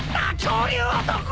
恐竜男！